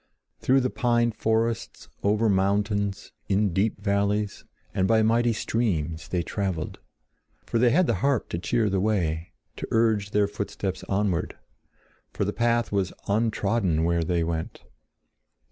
Through the pine forests, over mountains, in deep valleys, and by mighty streams they traveled. Ever they had the harp to cheer the way, to urge their footsteps onward. For the path was untrodden where they went.